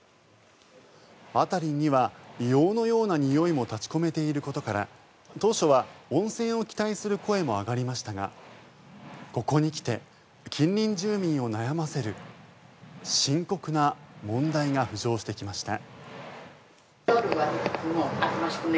辺りには硫黄のようなにおいも立ち込めていることから当初は温泉を期待する声も上がりましたがここに来て、近隣住民を悩ませる深刻な問題が浮上してきました。